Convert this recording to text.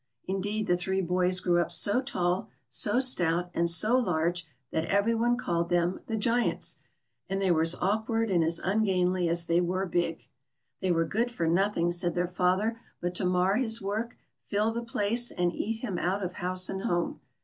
Indeed the three boys sj^rew up so tall, so stout, and so large, that every one called them the Giants ; and they were as awkward and as ungainl}' as they were big. They were good for nothing, said their father, but to mar his work, fill the place, and eat him out of house and home.